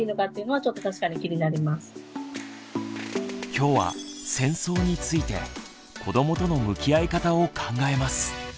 今日は「戦争」について子どもとの向き合い方を考えます。